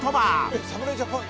「えっ侍ジャパン。